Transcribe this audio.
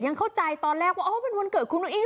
ยังเข้าใจตอนแรกว่าวันเกิดคุณอุ้งอิง